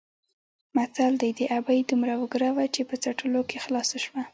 متل دی: د ابۍ دومره وګره وه چې په څټلو کې خلاصه شوه.